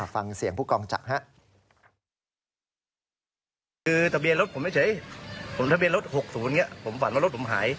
ฟังเสียงผู้กองจักรครับ